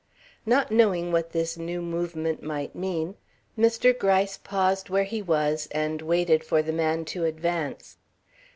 Not knowing what this new movement might mean, Mr. Gryce paused where he was and waited for the man to advance.